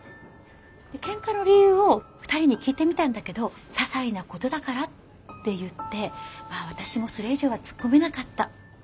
喧嘩の理由を２人に聞いてみたんだけど「ささいなことだから」って言ってまあ私もそれ以上は突っ込めなかった。